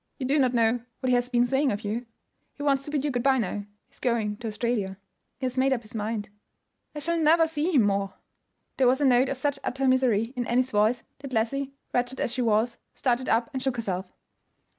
You do not know what he has been saying of you. He wants to bid you good by now. He is going to Australia; he has made up his mind. I shall never see him more." There was a note of such utter misery in Annie's voice that Leslie, wretched as she was, started up and shook herself.